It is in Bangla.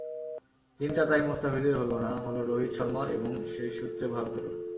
দিনটা তাই মুস্তাফিজের হলো না, হলো রোহিত শর্মার এবং সেই সূত্রে ভারতেরও।